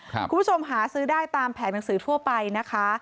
คุณผู้ชมหาซื้อได้ตามแผนหนังสือทั่วไปนะคะ